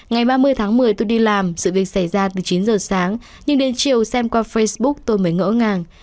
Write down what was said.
ngày ba mươi tháng một mươi tôi đi làm sự việc xảy ra từ chín giờ sáng nhưng đến chiều xem qua facebook tôi mới ngỡ ngàng